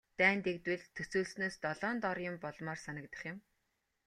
Дайн дэгдвэл төсөөлснөөс долоон доор юм болмоор санагдах юм.